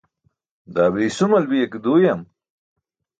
Daa be isumal biya ke duuyam?